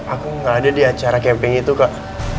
aku nggak ada di acara camping itu kak